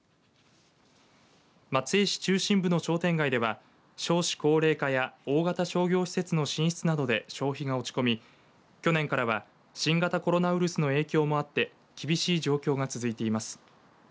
松江市中心部の商店街では少子高齢化や大型商業施設の進出などで消費が落ち込み去年からは新型コロナウイルスの影響もあって厳しい状況が続いています。